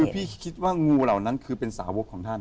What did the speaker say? คือพี่คิดว่างูเหล่านั้นคือเป็นสาวกของท่าน